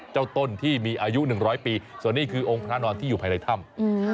ต้นที่มีอายุ๑๐๐ปีส่วนนี้คือองค์พระนอนที่อยู่ภายในถ้ำ